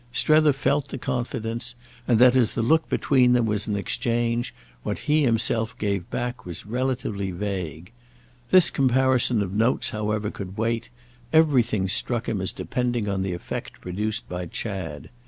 Strether felt the confidence, and that, as the look between them was an exchange, what he himself gave back was relatively vague. This comparison of notes however could wait; everything struck him as depending on the effect produced by Chad.